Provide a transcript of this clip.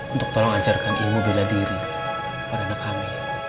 untuk tolong ajarkan ilmu bela diri pada anak kami